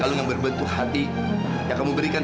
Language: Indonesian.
pak tuhan menjadi penguasa sebarang kalung o institutional